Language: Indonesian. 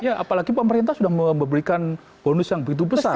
ya apalagi pemerintah sudah memberikan bonus yang begitu besar